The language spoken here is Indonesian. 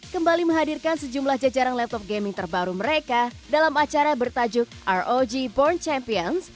kembali menghadirkan sejumlah jajaran laptop gaming terbaru mereka dalam acara bertajuk rog born champions